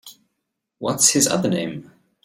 What’s his other name?